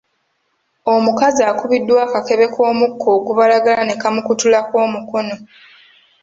Omukazi akubiddwa akakebe k'omukka ogubalagala ne kamukutulako omukono.